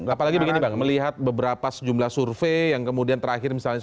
apalagi begini bang melihat beberapa sejumlah survei yang kemudian terakhir misalnya